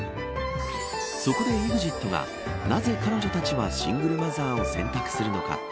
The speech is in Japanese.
そこでＥＸＩＴがなぜ彼女たちはシングルマザーを選択するのか。